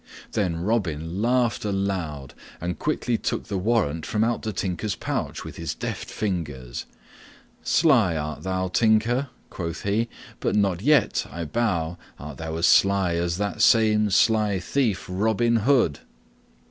Then Robin Hood laughed aloud and quickly took the warrant from out the Tinker's pouch with his deft fingers. "Sly art thou, Tinker," quoth he, "but not yet, I bow, art thou as sly as that same sly thief Robin Hood."